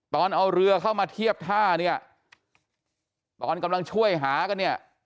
ตอนเอาเรือเข้ามาเทียบท่าเนี่ยตอนกำลังช่วยหากันเนี่ย